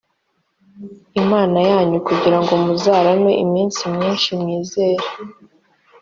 imana yanyu kugira ngo muzarame iminsi myinshi mwizere